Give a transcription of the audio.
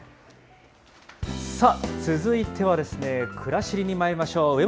さあ、続いては、くらしりにまいりましょう。